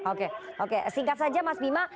oke oke singkat saja mas bima